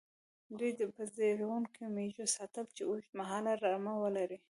دوی به زېږوونکې مېږې ساتلې، چې اوږد مهاله رمه ولري.